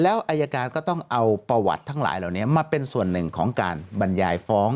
แล้วอายการก็ต้องเอาประวัติทั้งหลายเหล่านี้มาเป็นส่วนหนึ่งของการบรรยายฟ้อง